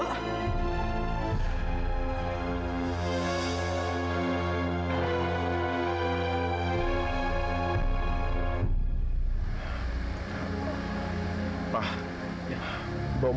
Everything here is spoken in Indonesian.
sari mu edit kamu